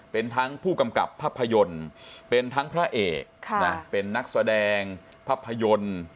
เป็นทั้งผู้กำกับภาพยนตร์เป็นทั้งพระเอกเป็นนักแสดงภาพยนตร์